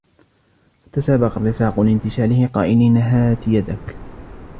فتسابق الرفاق لانتشاله قائلين هات يدك